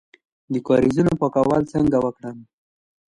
د کاریزونو پاکول څنګه وکړم؟